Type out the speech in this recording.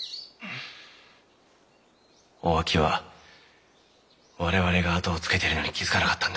おあきは我々が後をつけているのに気付かなかったんだ。